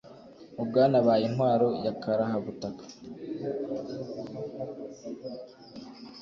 ngo bwanabaye intwaro ya karahabutaka